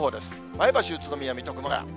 前橋、宇都宮、水戸、熊谷。